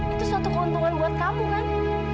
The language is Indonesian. itu suatu keuntungan buat kamu kan